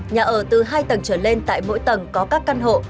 nhà ở từ hai tầng trở lên tại mỗi tầng có các căn hộ